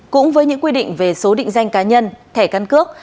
cũng với những quy định về số định danh cá nhân thẻ căn cước